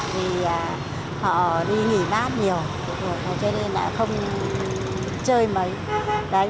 vì họ đi nghỉ mát nhiều cho nên là không chơi mấy